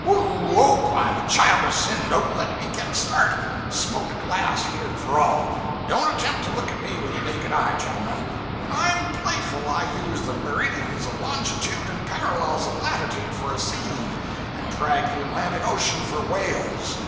whoo oop! I'm a child of sin, don't let me get a start! Smoked glass, here, for all! Don't attempt to look at me with the naked eye, gentlemen! When I'm playful I use the meridians of longitude and parallels of latitude for a seine, and drag the Atlantic Ocean for whales!